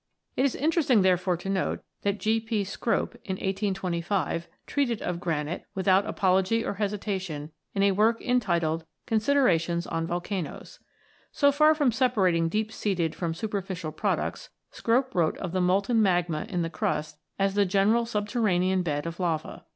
It is interesting therefore to note that G. P. Scrope in 1825 treated of granite, without apology or hesita tion, in a work entitled "Considerations on Volcanoes." So far from separating deep seated from superficial products, Scrope wrote of the molten magma in the crust as "the general subterranean bed of lava."